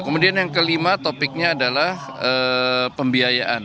kemudian yang kelima topiknya adalah pembiayaan